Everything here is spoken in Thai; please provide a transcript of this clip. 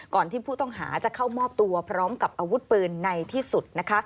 ก่อนที่ผู้ต้องหาจะเข้ามอบตัวพร้อมกับอาวุธปืนในที่สุดนะคะ